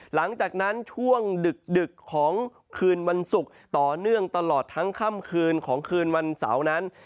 หลังจากนั้นช่วงดึกของคืนวันศุกร์ต่อเนื่องตลอดทั้งค่ำคืนของคืนวันเสาร์นั้น